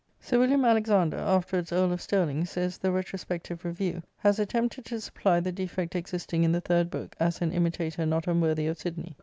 [Sir William Alexander, afterwards Earl of Sterling, says the " Retrospective Review" (vol. ii. p. 30), " has attempted to supply the defect existing in the third book, as an imitator not unworthy of Sidney."